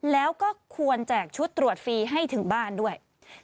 แล้วก็ควรแจกชุดตรวจฟรีให้ถึงบ้านด้วย